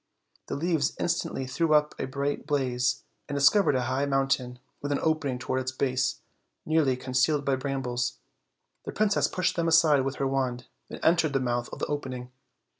The leaves in stantly threw up a bright blaze, and discovered a high mountain, with an opening toward its base, nearly con cealed by brambles; the princess pushed them aside with her wand, and entered the mouth of the opening.